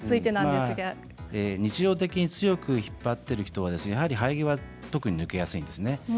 日常的に強く引っ張っている人は、やはり生え際が抜けやすいですね。